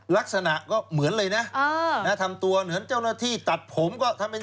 ลักษณะก็เหมือนเลยนะทำตัวเหมือนเจ้าหน้าที่ตัดผมก็ทำเป็น